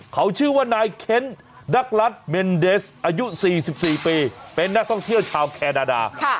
เขาชื่อว่านายเค้นนักรัฐเมนเดสอายุ๔๔ปีเป็นนักท่องเที่ยวชาวแคนาดา